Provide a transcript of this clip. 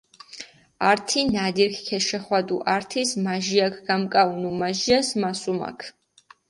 ართი ნდიქ ქეშეხვადუ, ართის მაჟირაქ გამკაჸუნუ, მაჟირას მასუმაქ.